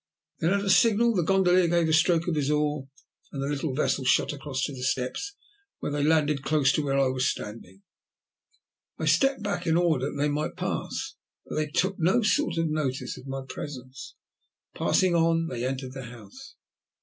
Then, at a signal, the gondolier gave a stroke of his oar and the little vessel shot across to the steps, where they landed close to where I was standing. I stepped back in order that they might pass, but they took no sort of notice of my presence. Passing on, they entered the house.